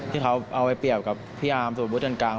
ที่เขาเอาไว้เปรียบกับพี่อาร์มสวบบุหรษกลางไกล